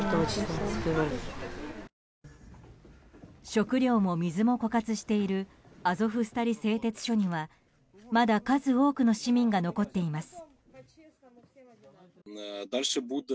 食料も水も枯渇しているアゾフスタリ製鉄所にはまだ数多くの市民が残っています。